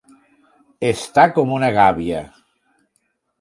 Estar com una gàbia.